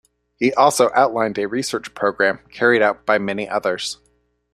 He also outlined a research program carried out by many others.